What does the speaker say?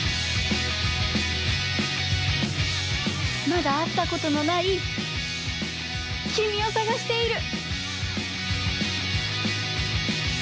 まだあったことのないきみをさがしている。